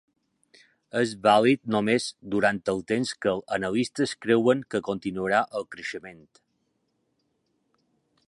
És vàlid només durant el temps que els analistes creuen que continuarà el creixement.